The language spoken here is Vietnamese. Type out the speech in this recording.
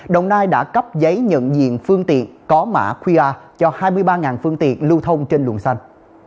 đồng nai đã cấp giấy nhận diện phương tiện có mã qr cho hai mươi ba phương tiện lưu thông trên luồng xanh